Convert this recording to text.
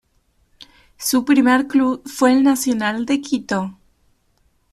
Su primer club fue El Nacional de Quito.